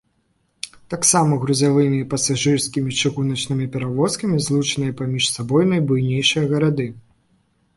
Таксама грузавымі і пасажырскімі чыгуначнымі перавозкамі злучаныя паміж сабой найбуйнейшыя гарады.